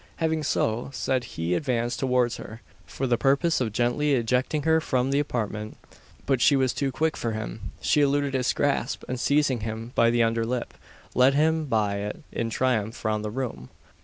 Having so said he advanced towards her, for the purpose of gently ejecting her from the apartment, but she was too quick for him; she eluded his grasp, and seizing him by the under lip, led him by it in triumph round the room!